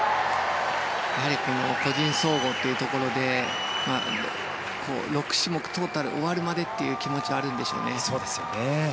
個人総合というところで６種目トータル終わるまでという気持ちがあるんでしょうね。